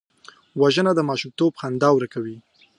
وژنه د ماشومتوب خندا ورکوي